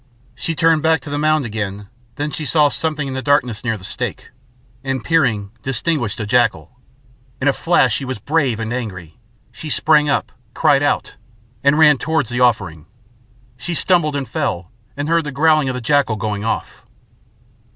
She turned back to the mound again; then she saw something in the darkness near the stake, and peering distinguished a jackal. In a flash she was brave and angry; she sprang up, cried out, and ran towards the offering. She stumbled and fell, and heard the growling of the jackal going off.